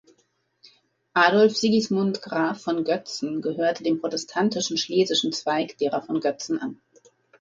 Adolf Sigismund Graf von Götzen gehörte dem protestantischen schlesischen Zweig derer von Götzen an.